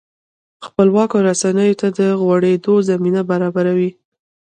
خپلواکو رسنیو ته د غوړېدو زمینه برابروي.